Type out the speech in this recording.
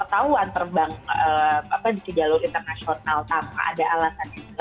kalau tak ada alasan yang jelas